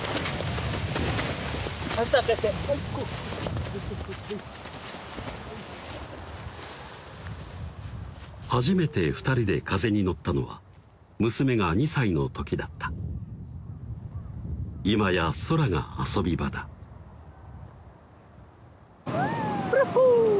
走って走って走って初めて２人で風に乗ったのは娘が２歳の時だった今や空が遊び場だヤッホー！